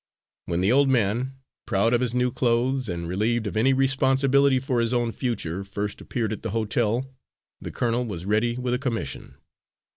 When the old man, proud of his new clothes, and relieved of any responsibility for his own future, first appeared at the hotel, the colonel was ready with a commission.